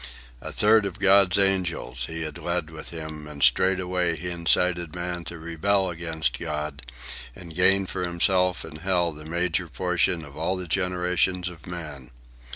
A third of God's angels he had led with him, and straightway he incited man to rebel against God, and gained for himself and hell the major portion of all the generations of man.